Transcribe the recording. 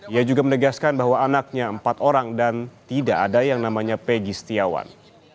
ia juga menegaskan bahwa anaknya empat orang dan tidak ada yang namanya pegi setiawan